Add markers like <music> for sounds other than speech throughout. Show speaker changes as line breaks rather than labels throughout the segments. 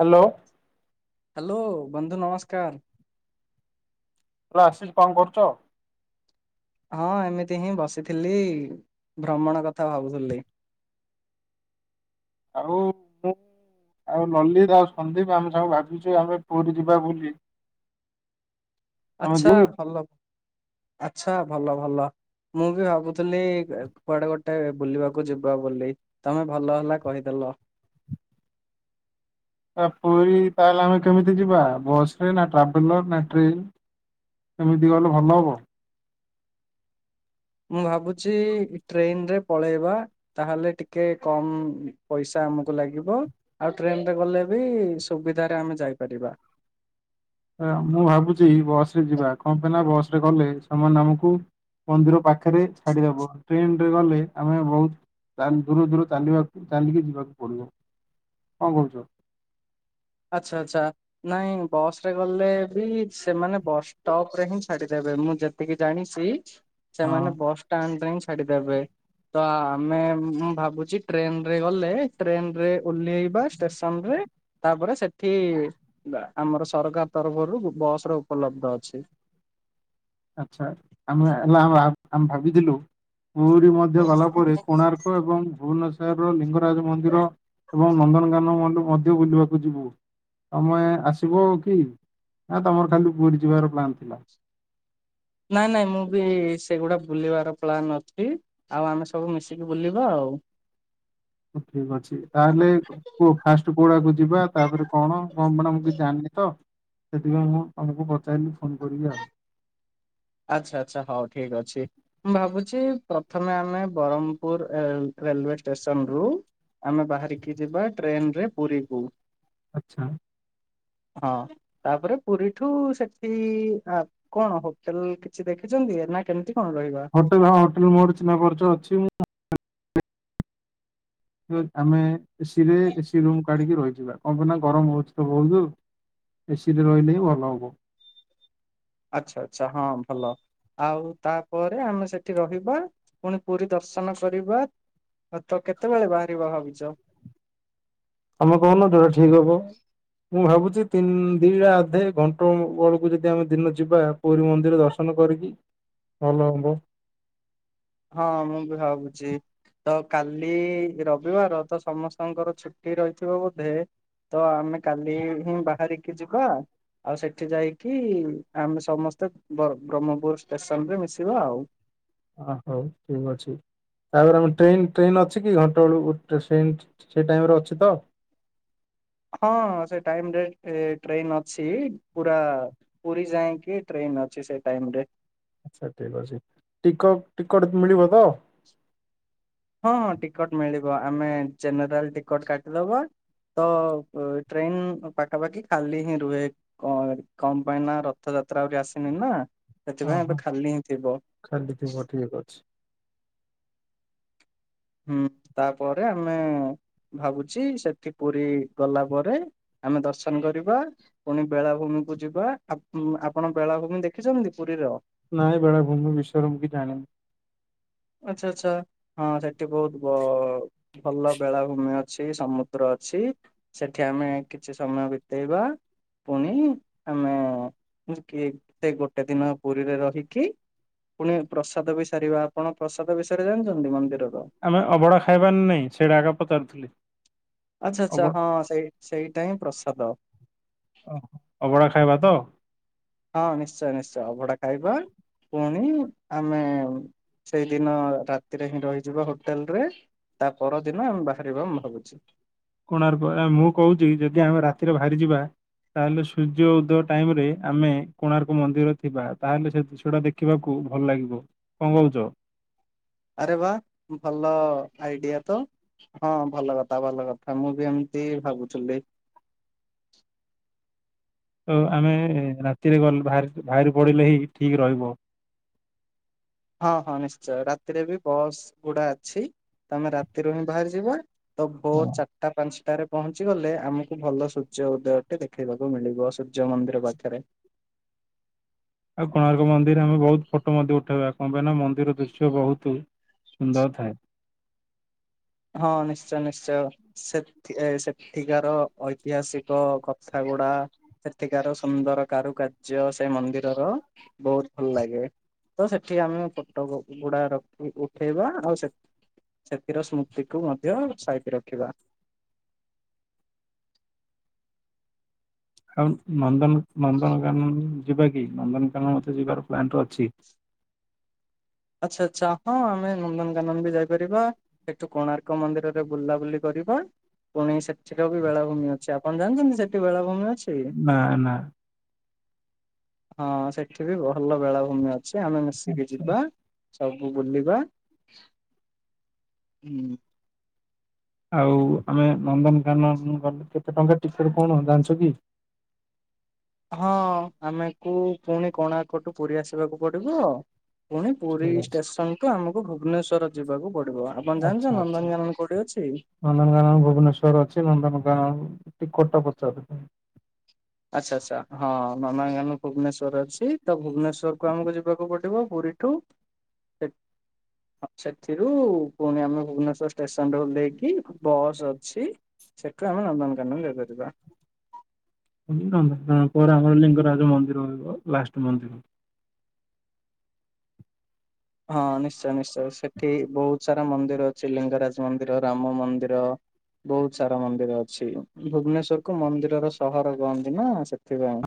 Hello.
Hello ବନ୍ଧୁ ନମସ୍କାର।
ହେଲା ଆସିଛି କଣ କରୁଛ।
ହଁ ଏମିତି ହିଁ ବସିଥିଲି ଭ୍ରମଣ କଥା ଭାବୁଥିଲି।
ଆଉ ମୁଁ ଆଉ ଲଲିତ ଆଉ ସନ୍ଦୀପ ଆମେ ସାଙ୍ଗୁ ଭାବୁଛୁ ଆମେ ପୁରୀ ଯିବା ବୋଲି। ଆମେ
ଆଛା
ଯିବୁ କି?
ଭଲ ଆଛା ଭଲ ଭଲ। ମୁଁ ବି ଭାବୁଥିଲି କୁଆଡେ ଗୋଟେ ବୁଲିବାକୁ ଯିବା ବୋଲି। ତମେ ଭଲ ହେଲା କହିଦେଲ।
ତା ପୁରୀ ତାହେଲେ ଆମେ କେମିତି ଯିବା ବସ୍ ନା ଟ୍ରାଭେଲର ନା ଟ୍ରେନ୍। ଏମିତି କହିଲେ ଭଲ ହବ।
ମୁଁ ଭାବୁଛି ଟ୍ରେନ ରେ ପଳେଇବା ତାହେଲେ ଟିକେ କମ ପଇସା ଆମକୁ ଲାଗିବ। ଆଉ ଟ୍ରେନ ରେ ଗଲେ ବି ସୁବିଧାରେ ଆମେ ଯାଇପାରିବା।
ମୁଁ ଭାବୁଛି ବସରେ ଯିବା କଣ ପାଇଁ ନା ବସରେ ଗଲେ ସେମାନେ ଆମକୁ ମନ୍ଦିର ପାଖରେ ଛାଡିଦବ ଟ୍ରେନ ରେ ଗଲେ ଆମେ ବହୁତ ତାହେଲେ ଦୂରୁ ଦୂରୁ ଚାଲିବାକୁ ଚାଲିକି ଯିବାକୁ ପଡିବ କଣ କହୁଛ?
ଆଚ୍ଛା ଆଚ୍ଛା। ନାଇଁ ବସ ରେ ଗଲେ ବି ସେମାନେ ବସ ଷ୍ଟପ୍ ରେ ହିଁ ଛାଡିଦେବେ ମୁଁ ଯେତେ ଟିକେ ଜାଣିଛି
ହଁ
ସେମାନେ ବସ୍ ଷ୍ଟାଣ୍ଡରେ ହିଁ ଛାଡିଦେବେ ତ ଆମେ ମୁଁ ଭାବୁଛି ଟ୍ରେନ ରେ ଗଲେ ଟ୍ରେନ ରେ ଓଲ୍ହେଇବା ଷ୍ଟେସନ ରେ ତାପରେ ସେଠି ଆମର ସରକାର ତରଫରୁ ବସ ର ଉପଲବ୍ଧ ଅଛି।
ଆଛା ଆମେ ହେଲା ଆମେ ଭାବିଥିଲୁ ପୁରୀ ମଧ୍ୟ ଗଲା ପରେ କୋଣାର୍କ ଏବଂ ଭୁବନେଶ୍ଵର ର ଲିଙ୍ଗରାଜ ମନ୍ଦିର ଏବଂ ନନ୍ଦନକାନ ମ ମଧ୍ୟ ବୁଲିବାକୁ ଯିବୁ ତମେ ଆସିବ କି ନା ତମର ଖାଲି ପୁରୀ ଯିବାର ପ୍ଲାନ୍ ଥିଲା।
ନାଇଁ ନାଇଁ ମୁଁ ବି ସେଗୁଡା ବୁଲିବାର ପ୍ଲାନ୍ ଅଛି। ଆଉ ଆମେ ସବୁ ମିଶିକି ବୁଲିବା ଆଉ।
ଠିକ୍ ଅଛି ତାହେଲେ କୁହ ଫାଷ୍ଟ କୋଉଡାକୁ ଯିବା ତାପରେ କଣ କଣ ମାନ ମୁଁ କିଛି ଜାଣିନି ତ ସେଥିପାଇଁ ମୁଁ ତମକୁ ପଚାରଲିି ଫୋନ୍ କରିବି ଆଉ।
ଆଚ୍ଛା ଆଚ୍ଛା ହଉ ଠିକ୍ ଅଛି। ମୁଁ ଭାବୁଛି ପ୍ରଥମେ ଆମେ ବ୍ରରହ୍ମପୁର ରେଲୱେ ଷ୍ଟେସନ ରୁ ଆମେ ବାହାରିକି ଯିବା ଟ୍ରେନରେ ପୁରୀକୁ।
ଆଛା।
ହଁ ତାପରେ ପୁରୀଠୁ ସେଠି କଣ ହଉ କିଛି ଦେଖିଛନ୍ତି ନା କେମିତି କଣ ରହିବ?
ହୋ ହୋଟେଲ ମୋର ଚିହ୍ନା ପର୍ଚ ଅଛି ଆମେ ଏସିି ରେ ଏସି ରୁମ୍ କୁ କାଢିକି ରହିଯିବା କଣ ପାଇଁ ନା ଗରମ ହେଉଛି ତ ବହୁତ ଏସିି ରେ ରହିଲେ ହିଁ ଭଲ ହବ
ଆଚ୍ଛା ଆଚ୍ଛା ହଁ ଭଲ। ଆଉ ତାପରେ ଆମେ ସେଠି ରହିବା ପୁଣି ପୁରୀ ଦର୍ଶନ କରିବା ହଉ ତ କେତେବେଳେ ବାହାରିବ ଭାବିଛ?
ତମେ କହୁନ ଯୋଟା ଠିକ୍ ହବ ମୁଁ ଭାବୁଛି ତିନ ଦିଟା ଅଧେ ଘଣ୍ଟ ବେଳକୁ ଯଦି ଆମେ ଦିନ ଯିବା ପୁରୀ ମନ୍ଦିର ଦର୍ଶନ କରିକି ଭଲ ହବ
ହଁ ମୁଁ ବି ଭାବୁଛି ତ କାଲି ରବିବାର ତ ସମସ୍ତଙ୍କର ଛୁଟି ରହିଥିବା ବୋଧେ ତ ଆମେ କାଲି ହିଁ ବାହାରିକି ଯିବା ଆଉ ସେଠି ଯାଇକି ଆମେ ସମସ୍ତେ ବ୍ରହ୍ମପୁର ଷ୍ଟେସନ ରେ ମିଶିବା ଆଉ
ହ ହଉ ଠିକ ଅଛି। ତାପରେ ଆମ ଟ୍ରେନ୍ ଟ୍ରେନ୍ ଅଛି କି ଘଣ୍ଟା ବେଳୁ ଗଟେ ଟ୍ରେନ୍ ସେ ଟାଇମ ରେ ଅଛି ତ?
ହଁ ସେ ଟାଇମରେ ଟ୍ରେନ ଅଛି ପୁରା ପୁରୀ ଯାଇଏକି ଟ୍ରେନ ଅଛି ସେ ଟାଇମ ରେ
ଆଛା ଠିକ ଅଛି ଟିକ ଟିକଟ ମିଳିବ ତ
ହଁ ହଁ ଟିକଟ ମିଳିବ ଆମେ ଜେନେରାଲ ଟିକଟ କାଟିଦବା ତ ଟ୍ରେନ୍ ପାଖାପାଖି ଖାଲି ହିଁ ରୁହେ। କ କଣ ପାଇଁ ନା ରଥଯାତ୍ରା ଆହୁରି ଆସିନି ନା
ହଁ
ସେଥିପାଇଁ
ହଁ
ଏବେ ଖାଲି ହିଁ ଥିବ।
ଖାଲି ଥିବ ଠିକ ଅଛି।
ହୁଁ ତାପରେ ଆମେ ଭାବୁଛି ସେଠି ପୁରୀ ଗଲା ପରେ। ଆମେ ଦର୍ଶନ କରିବା। ପୁଣି ବେଳାଭୂମି କୁ ଯିବା ଆପ ଆପଣ ବେଳାଭୂମି ଦେଖିଛନ୍ତି ପୁରୀର।
ନାଇଁ ବେଳାଭୂମି ବିଶ୍ୱର ମୁ କି ଜାଣିନି।
ଆଛା ଆଚ୍ଛା ହଁ ସେଠି ବହୁତ ବ ଭଲ ବେଳାଭୂମି ଅଛି ସମୁଦ୍ର ଅଛି। ସେଠି ଆମେ କିଛି ସମୟ ବିତେଇବା। ପୁଣି ଆମେ କିଏ ଗୋଟେ ଦିନ ପୁରୀରେ ରହିକି। ପୁଣି ପ୍ରସାଦ ବି ସାରିବା ଆପଣ ପ୍ରସାଦ ବିଷୟରେ ଜାଣିଛନ୍ତି ମନ୍ଦି
ଆମେ ଅଭଡ଼ା ଖାଇବା ନା ନାହିଁ ସେଇଟା ଆଗ ପଚାରୁଥିଲି।
ଆଛା
ଅବ
ଆଛା ହଁ ସେଇ ସେଇଟା ହିଁ ପ୍ରସାଦ।
ଅ ହ ଅଭଡ଼ା ଖାଇବା ତ।
ହଁ ନିଶ୍ଚୟ ନିଶ୍ଚୟ ଅଭଡା ଖାଇବା ପୁଣି ଆମେ। ସେଇଦିନ ରାତିରେ ହିଁ ରହିଯିବା ହୋଟେଲ ରେ। ତା ପରଦିନ ଆମେ ବାହାରିବା ମୁଁ ଭାବୁଛି।
କୋଣାର୍କ ଆ ମୁଁ କହୁଚି ଯଦି ଆମେ ରାତିରେ ବାହାରି ଯିବା। ତାହେଲେ ସୂର୍ଯ୍ୟ ଉଦୟ ଟାଇମ ରେ ଆମେ କୋଣାର୍କ ମନ୍ଦିର ଥିବା ତାହେଲେ ସେ ଦୃଶ ଟା ଦେ ଖିବାକୁ ଭଲ ଲାଗିବ କଣ କଉଛ।
ଆରେ ବା ଭଲ ଆଇଡିଆ ତ। ହଁ ଭଲ କଥା ଭଲ କଥା ମୁଁ ବି ଏମିତି ଭାବୁଥିଲି।
ତ ଆମେ ରାତିରେ ଗଲ ବାହାରେ ବାହାରି ପଡ଼ିଲେ ହିଁ ଠିକ୍ ରହିବ।
ହଁ ହଁ ନିଶ୍ଚୟ ରାତିରେ ବି ବସ୍ ଗୁଡା ଅଛି ତମେ ରାତିରୁ ହିଁ ବାହାରି ଯିବା। ତ
ହଁ।
ଭୋର ଚା ଟା ପାଞ୍ଚଟାରେ ପହଞ୍ଚି ଗଲେ ଆମକୁ ଭଲ ସୂର୍ଯ୍ୟ ଉଦୟଟି ଦେଖେଇବାକୁ ମିଳିବ ସୂର୍ଯ୍ୟ ମନ୍ଦିର ପାଖେରେ।
ଆଉ କୋଣାର୍କ ମନ୍ଦିରରେ ଆମେ ବହୁତ ଫଟୋ ମଧ୍ୟ ଉଠେଇବା କଣ ପାଇଁ ନା ମନ୍ଦିର ଦୃଶ୍ୟ ବହୁତୁ। ସୁନ୍ଦର ଥାଏ।
ହଁ ନିଶ୍ଚୟ ନିଶ୍ଚୟ। ସେଥି ସେଠିକାର ଐତିହାସିକ କଥା ଗୁଡା। ସେଠିକାର ସୁନ୍ଦର କାରୁକାର୍ଯ୍ୟ ସେ ମନ୍ଦିରର ବହୁତୁ ଭଲ ଲାଗେ। ତ ସେଠି ଆମେ ଫଟ ଗୁଡା ରଖି ଉଠେଇବା ଆଉ ସେ ସେଥିର ସ୍ମୃ ତିକୁ ମଧ୍ୟ ସାଇତି ରଖିବା।
ଆଉ ନନ୍ଦନ ନନ୍ଦନକାନନ ଯିବା କି ନନ୍ଦନକାନନ ତ ଯିବାର ପ୍ଲାନ ତ ଅଛି।
ଆଚ୍ଛା ଆଚ୍ଛା ହଁ ଆମେ ନନ୍ଦନକାନନ ବି ଯାଇପାରିବା। ହେଠୁ କୋଣାର୍କ ମନ୍ଦିରରେ ବୁଲାବୁଲି କରିବା ପୁଣି ସେ <unintelligible> ବି ବେଳାଭୂମି ଅଛି ଆପଣ ଯାଆଚନ୍ତି ସେଠି ବେଳାଭୂମି ଅଛି
ନା ନା।
ହଁ ସେଠି ବି ଭଲ ବେଳାଭୂମି ଅଛି ଆମେ ମିଶିକି
ଆଚ୍ଛା।
ଯିବା। ସବୁ ବୁଲିବା ହୁଁ।
ଆଉ ଆମେ ନନ୍ଦନକାନନ ଗଲେ କେତେ ଟଙ୍କା ଟିକେଟ୍ କଣ ଜାଣିଚ କି?
ହଁ ଆମେକୁ ପୁଣି କୋଣାର୍କଠୁ ପୁରୀ ଆସିବାକୁ ପଡିବ। ପୁଣି ପୁରୀ
ଠିକ ଅଛି।
ଷ୍ଟେସନ ଠୁ ଆମକୁ ଭୁବନେଶ୍ୱର ଯିବାକୁ ପଡିବ ଆପଣ
ଆଚ୍ଛା
ଜାଣିଛ
ଆଚ୍ଛା
ନନ୍ଦନକାନନ କୋଉଠି ଅଛି?
ନନ୍ଦନକାନନ ଭୁବନେଶ୍ୱର ଅଛି ନନ୍ଦନକାନଟି କଟ ପଚରେ
ଆଚ୍ଛା ଆଚ୍ଛା ହଁ ନନକାନନ ଭୁବନେଶ୍ୱରରେ ଅଛି ତ ଭୁବନେଶ୍ୱରକୁ ଆମକୁ ଯିବାକୁ ପଡିବ ପୁରୀ ଟୁ ସେ ହଁ ସେଥିରୁ ପୁଣି ଆମେ ଭୁବନେଶ୍ଵର ଷ୍ଟେସନରେ ଓହ୍ଲେଇକି ବସ୍ ଅଛି। ସେଠୁ ଆମେ ନନ୍ଦନକାନନ ଯାଇପାରିବା।
ପୁରୀ ନନ୍ଦନକାନନ ପରେ ଆମର ଲିଙ୍ଗରାଜ ମନ୍ଦିର ରହିବ ଲାଷ୍ଟ ମନ୍ଦିର
ହଁ ନିଶ୍ଚୟ ନିଶ୍ଚୟ ସେଠି ବହୁତ ସାରା ମନ୍ଦିର ଅଛି ଲିଙ୍ଗରାଜ ମନ୍ଦିର, ରାମ ମନ୍ଦିର ବହୁତ ସାରା ମନ୍ଦିର ଅଛି ଭୁବନେଶ୍ଵରକୁ ମନ୍ଦିରର ସହର କହନ୍ତି ନା ସେଥିପାଇଁ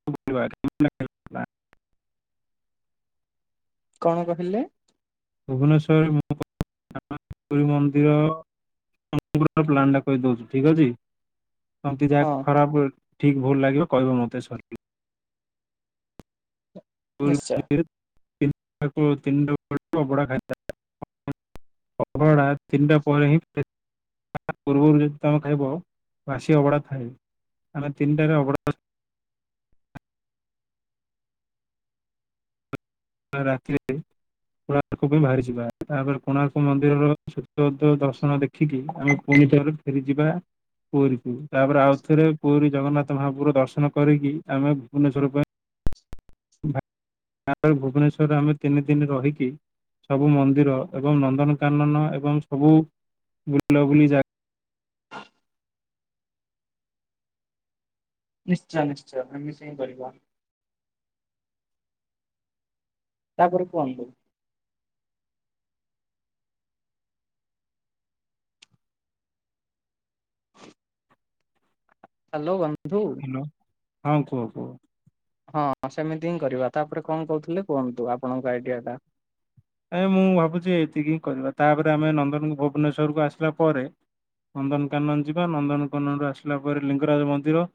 <inaudible>
କଣ କହିଲେ?
ଭୁବନେଶ୍ୱରରେ <inaudible> ମନ୍ଦିର। <inaudible> ପ୍ଲାନ୍ଟା କହିଦଉଚି ଠିକ ଅଛି?
ହଁ
<inaudible> ଖରାପ ଭୁଲ ଠିକ ଭୁଲ ଲାଗିବ କହିବ ମତେ ସରିଲେ
ନିଶ୍ଚୟ
<inaudible> ଅବଢା ତିନିଟା ପରେ ହିଁ ତା ପୂର୍ବରୁ ଯଦି ତମେ ଖାଇବ ବାସି ଅଭଢା ଥାଏ ଆମେ ତିନିଟାରେ ଅଭଢା ତ ରାତିରେ କୋଣାର୍କ ପାଇଁ ବାହାରିଯିବା ତାପରେ କୋଣାର୍କ ମନ୍ଦିରର ଦ ଦ ଦର୍ଶନ ଦେଖ ଖିକି ଆମେ ପୁଣିଥରେ ଫେରି ଯିବା ପୁରୀକୁ ତାପରେ ଆଉ ଥରେ ପୁରୀ ଜଗନ୍ନାଥ ମହାପୁର ଦର୍ଶନ କରିକି ଆମେ ଭୁବନେଶ୍ଵର ପାଇଁ ଆଉ ଭୁବନେଶ୍ୱରରେ ଆମେ ତିନି ଦିନି ରହିକି ସବୁ ମନ୍ଦିର ଏବଂ ନନ୍ଦନକାନନ ଏବଂ ସବୁ ବୁଲାବୁଲି ଜାଗା
ନିଶ୍ଚୟ ନିଶ୍ଚୟ ଆମେ ସେଇଆ ହିଁ କରିବା। ତାପରେ କୁହନ୍ତୁ? ହାଲୋ ବନ୍ଧୁ।
ହାଲୋ ହଁ କୁହ କୁହ?
ହଁ ସେମିତି ହିଁ କରିବା ତାପରେ କଣ କହୁଥିଲେ କୁହନ୍ତୁ ଆପଣଙ୍କ ଆଇଡିଆଟା
ଏ ମୁଁ ଭାବୁଛି ଏତିକି ହିଁ କରିବା ତାପରେ ଆମେ ନନ୍ଦନ ଭୁବନେଶ୍ୱରକୁ ଆସିଲା ପରେ ନନ୍ଦନକାନନ ଯିବା ନନ୍ଦନକାନନରୁୁ ଆସିଲା ପରେ ଲିଙ୍ଗରାଜ ମନ୍ଦିର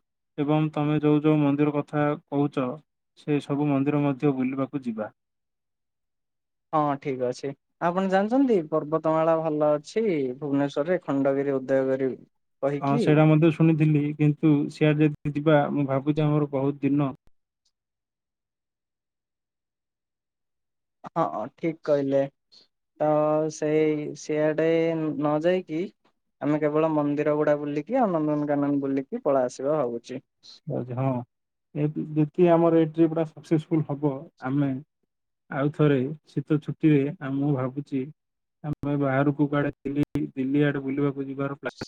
ଏବଂ ତମେ ଯୋଉ ଯୋଉ ମନ୍ଦିର କଥା କହୁଛ ସେ ସବୁ ମନ୍ଦିର ମଧ୍ୟ ବୁଲିବାକୁ ଯିବା।
ହଁ ହଁ ଠିକ୍ ଅଛି। ଆପଣ ଜାଣିଛନ୍ତି ପର୍ବତମାଳା ଭଲ ଅଛି ଭୁବନେଶ୍ୱରରେ ଖଣ୍ଡଗିରି ଉଦୟଗିରି
ହଁ
କହିକି
ସେଇଟା ମଧ୍ୟ ଶୁଣିଥିଲି କିନ୍ତୁ ସିଆଡେ ଯଦି ଯିବା ମୁଁ ଭାବୁଛି ଆମର ବହୁତ ଦିନ
ହଁ ଠିକ କହିଲେ। ତ ସେଇ ସିଆଡ଼େ ନ ଯାଇକି। ଆମେ କେବଳ ମନ୍ଦିର ଗୁଡା ବୁଲିକି ଆଉ ନନ୍ଦନକାନନ ବୁଲିକି ପଳେଇ ଆସିବା ହଉଛି।
ହଁ ଯେତିକି ଆମର ଏଇ ଟ୍ରିପ୍ ଟା ସକ୍ସେସଫୁଲ୍ ହବ ଆମେ। ଆଉ ଥରେ ଶୀତ ଛୁଟିରେ ଆଉ ମୁଁ ଭାବୁଛି ଆମେ ବାହାରକୁ କୁଆଡେ ଦିଲ୍ଲୀ ଆଡେ ବୁଲିବାକୁ ଯିବାର୍ ପ୍ଲାନ୍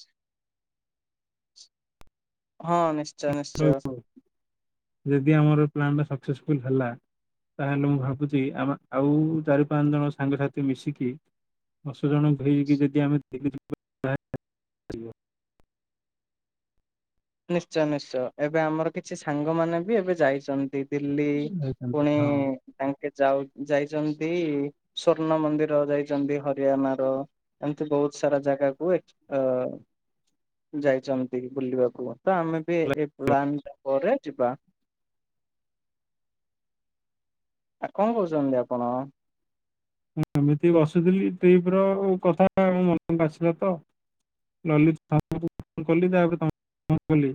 ହଁ ନିଶ୍ଚୟ ନିଶ୍ଚୟ।
ରହିବ ଯଦି ଆମର ପ୍ଲାନ୍ ଟା ସକ୍ସେସଫୁଲ ହେଲା। ତାହେଲେ ମୁଁ ଭାବୁଛି ଆମ ଆଉ ଚାରି ପାଞ୍ଚ ଜଣ ସାଙ୍ଗସାଥି ମିଶିକି। ଦଶ ଜଣ ହେଇକି ଯଦି ଆମେ ଦିଲ୍ଲୀ ଯିବା ଯିବା
ନିଶ୍ଚୟ ନିଶ୍ଚୟ ଏବେ ଆମର କିଛି ସାଙ୍ଗମାନେବି ଏବେ ଯାଇଚନ୍ତି। ଦିଲ୍ଲୀ
ଯାଇଥାନ୍ତେ।
ପୁଣି
ହଁ
ତାଙ୍କେ ଯାଉ ଯାଇଚନ୍ତି ସ୍ଵର୍ଣ୍ଣ ମନ୍ଦିର ଯାଇଚନ୍ତି ହରିୟାଣର। ଏମିତି ବହୁତ ସାରା ଜାଗାକୁ ଅ ଯାଇଚନ୍ତି ବୁଲିବାକୁ। ତ ଆମେବି ଏପ୍ଲାନ୍ଟା ପରେ ଯିବା। ଆଉ କଣ କଉଚନ୍ତି ଆପଣ।
ହଁ ଏମିତି ବସୁଥିଲି ଟ୍ରିପର କଥା ମନକୁ ଆସିଲାତ ଲଲିତାକୁ ଫୋନ୍ କଲି ତାପରେ ତମକୁ ଫୋନ୍ କଲି।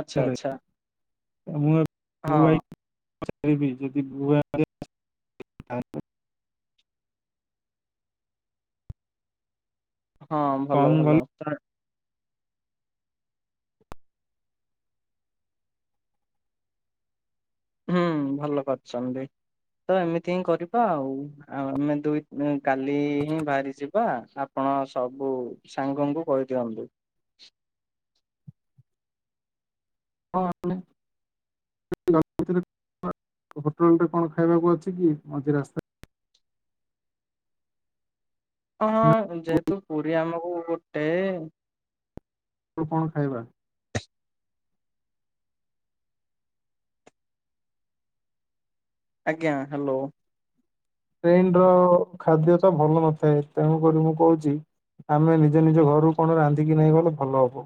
ଆଚ୍ଛା ଆଚ୍ଛା।
ମୁଏବେ
ହଁ
ମୁଭାଇ <unintelligible>
ହଁ
କମ
ଭଲ ଭଲ ତା ହୁଁ ଭଲ କରିଛନ୍ତି ତଏମିତିହିଁ କରିବା ଆଉ ଆଉ ଆମେ ଦୁଇ କାଲିହିଁ ବାହାରି ଯିବା ଆପଣ ସବୁ ସାଙ୍ଗଙ୍କୁ କହିଦିଅନ୍ତୁ।
ହଁ ଆମେ <unintelligible> <unintelligible> ହୋଟେଲରେ କଣ ଖାଇବାକୁ ଅଛିକି ମଝି ରାସ୍ତା
ହଁ ହଁ ଯେହେତୁ ପୁରୀ ଆମକୁ ଗୋଟେ
ଆଉ କଣ ଖାଇବା?
ଆଜ୍ଞା ହାଲୋ।
ଟ୍ରେନର ଖାଦ୍ୟତ ଭଲ ନଥାଏ ତେଣୁକରି ମୁଁ କହୁଚି ଆମେ ନିଜ ନିଜ ଘରୁ କଣ ରାନ୍ଧିକି ନେଇଁ ଗଲେ ଭଲ ହବ।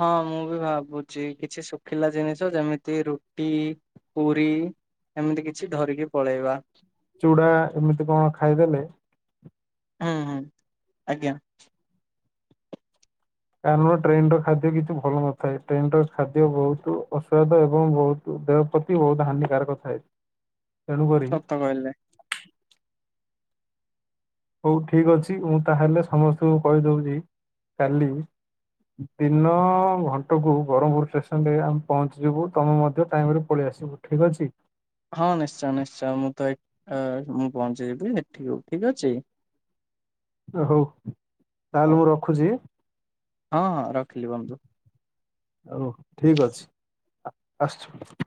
ହଁ ମୁଁବି ଭାବୁଛି କିଛି ଶୁଖିଲା ଜିନିଷ ଯେମିତି ରୁଟି ପୁରୀ ଏମିତି କିଛି ଧରିକି ପଳେଇବା।
ଚୁଡ଼ା ଏମିତି କଣ ଖାଇଦେଲେ
ହୁଁ ହୁଁ ଆଜ୍ଞା।
କାରଣ ଟ୍ରେନର ଖାଦ୍ୟ କିଛି ଭଲ ନଥାଏ ଟ୍ରେନର ଖାଦ୍ୟ ବହୁତୁ ଅସୱାଦ ଏବଂ ବହୁ ଦେହ ପ୍ରତି ବହୁତ୍ ହାନିକାରକ ଥାଏ। ତେଣୁକରି
ସତ କହିଲେ।
ହଉ ଠିକ୍ ଅଛି ମୁଁ ତାହେଲେ ସମସ୍ତଙ୍କୁ କହିଦଉଚି କାଲି ଦିନ ଘଣ୍ଟାକୁ ବ୍ରହ୍ମପୁର ଷ୍ଟେସନରେ ଆମେ ପହଞ୍ଚିଯିବୁ ତୁମେ ମଧ୍ୟ ଟାଇମରେ ପଳେଇ ଆସିବ? ଠିକ୍ ଅଛି।
ହଁ ନିଶ୍ଚୟ ନିଶ୍ଚୟ ମୁଁତ ଏ ଅଁ ମୁଁ ପହଞ୍ଚି ଯିବି ହେଠିକୁ ଠିକ୍ ଅଛି।
ଓ ହଉ
ହଉ
ତାହେଲେ ମୁଁ ରଖୁଚି?
ହଁ ହଁ ରଖିଲି ବନ୍ଧୁ।
ହଉ ଠିକ୍ ଅଛି ଆସୁଚି।